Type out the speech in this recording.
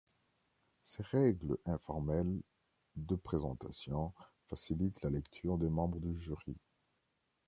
Ces règles informelles de présentation facilitent la lecture des membres du jury.